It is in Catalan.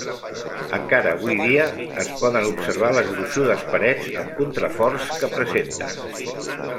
Encara avui dia es poden observar les gruixudes parets amb contraforts que presenta.